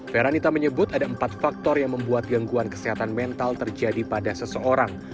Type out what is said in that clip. feranita menyebut ada empat faktor yang membuat gangguan kesehatan mental terjadi pada seseorang